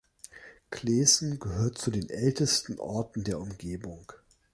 Kleßen gehört zu den ältesten Orten der Umgebung.